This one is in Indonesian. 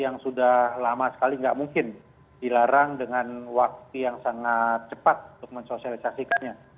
yang sudah lama sekali tidak mungkin dilarang dengan waktu yang sangat cepat untuk mensosialisasikannya